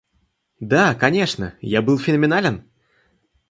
Да, конечно, я был феноменален!